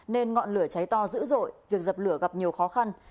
nên ngọn lửa cháy to dữ dội việc dập lửa gặp nhiều khó khăn